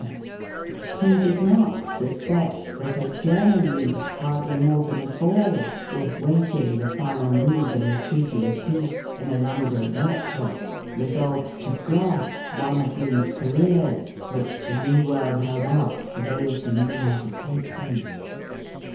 43 The Original John Jacob Astor He did not suspect that a German youth, hardly more than a boy, was waiting the final move in the Treaty of Peace, in a London work shop, resolved to grasp one of these careers, which the New World held out for those who knew how to take them.